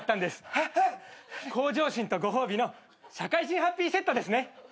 向上心とご褒美の社会人ハッピーセットですね。